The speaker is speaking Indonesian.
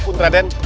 kau pun rade